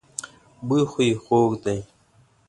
بوی خو يې خوږ دی.